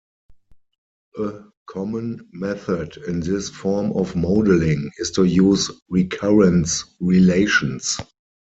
A common method in this form of modelling is to use recurrence relations.